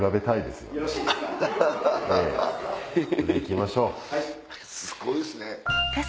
すごいっすね。